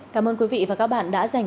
cảm ơn quý vị và các bạn đã dành